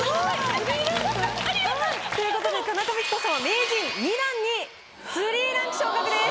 ３ランク？ということで田中道子さんは名人２段に３ランク昇格です。